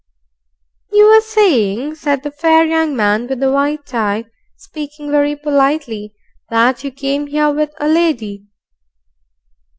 "You were saying," said the fair young man with the white tie, speaking very politely, "that you came here with a lady."